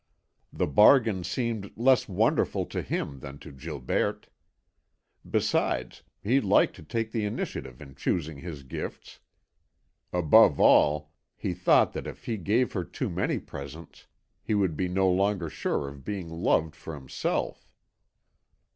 The bargain seemed less wonderful to him than to Gilberte; besides, he liked to take the initiative in choosing his gifts. Above all, he thought that if he gave her too many presents he would be no longer sure of being loved for himself.